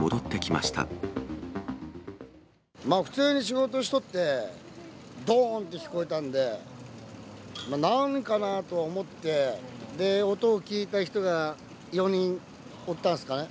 まあ普通に仕事しとって、どーんって聞こえたんで、まあ、何かなとは思って、音を聞いた人が４人おったんすかね。